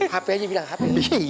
hp aja bilang hp